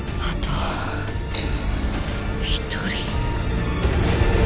あと１人。